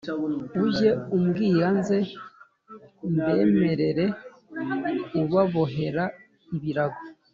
ujye umbwira nze mbemerere kubabohera ibirago."